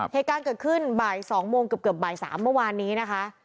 เหตุการณ์เกิดขึ้นบ่าย๒โมงเกือบบ่าย๓เมื่อวานนี้นะคะ